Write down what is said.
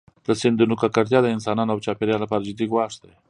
د سیندونو ککړتیا د انسانانو او چاپېریال لپاره جدي ګواښ دی.